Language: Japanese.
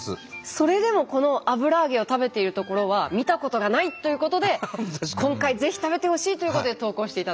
それでもこの油揚げを食べているところは見たことがない！ということで今回ぜひ食べてほしいということで投稿していただきました。